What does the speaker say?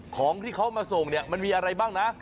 ของที่เขามาส่งเนี่ยมันมีอะไรบ้างนะ